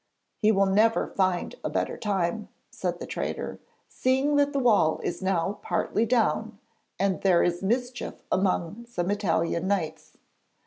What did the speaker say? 'He will never find a better time,' said the traitor, 'seeing that the wall is now partly down and there is mischief among some Italian Knights.